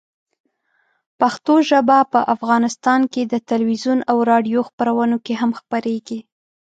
پښتو ژبه په افغانستان کې د تلویزیون او راډیو خپرونو کې هم خپرېږي.